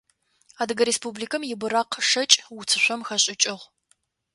Адыгэ Республикэм и быракъ шэкӏ уцышъом хэшӏыкӏыгъ.